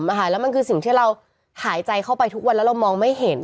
แล้วมันคือสิ่งที่เราหายใจเข้าไปทุกวันแล้วเรามองไม่เห็น